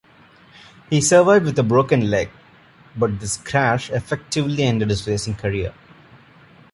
He survived with a broken leg, but this crash effectively ended his racing career.